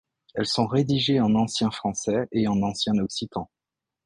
Elles sont rédigées en ancien français et en ancien occitan.